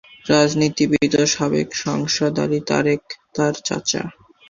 রাজনীতিবিদ ও সাবেক সাংসদ আলী তারেক তাঁর চাচা।